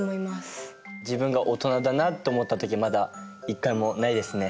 自分がオトナだなと思った時まだ１回もないですね。